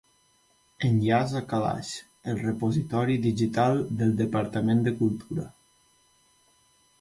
Enllaç a Calaix, el repositori digital del Departament de Cultura.